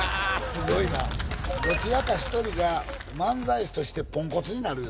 すごいな「どちらか１人が漫才師としてポンコツになる」